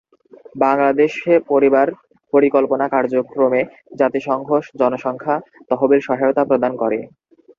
বাংলাদেশে পরিবার পরিকল্পনা কার্যক্রমে জাতিসংঘ জনসংখ্যা তহবিল সহায়তা প্রদান করে।